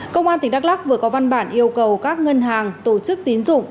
công an tỉnh đắk lắc vừa có văn bản yêu cầu các ngân hàng tổ chức tín dụng